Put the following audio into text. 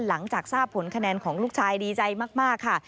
หลังจากทราบผลคะแนนของลูกชายดีใจมากค่ะ